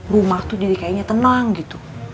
rumah tuh jadi kayaknya tenang gitu